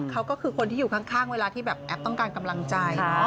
เขาก็คือคนที่อยู่ข้างเวลาที่แบบแอฟต้องการกำลังใจ